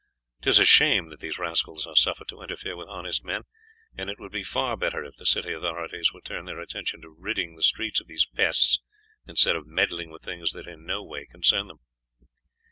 'Tis a shame that these rascals are suffered to interfere with honest men, and it would be far better if the city authorities would turn their attention to ridding the streets of these pests instead of meddling with things that in no way concern them."